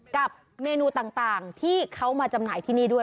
กับเมนูต่างที่เขามาจำหน่ายที่นี่ด้วย